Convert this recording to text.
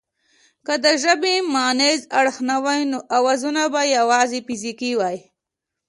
که د ژبې مانیز اړخ نه وای نو اوازونه به یواځې فزیکي وای